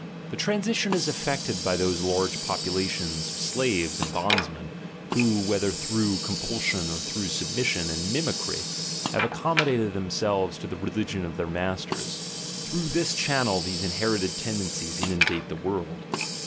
The transition is effected by those large populations of slaves and bondsmen, who, whether through compulsion or through submission and "mimi cry" have accommodated themselves to the religion of their masters; through this channel these inherited tendencies inundate the world.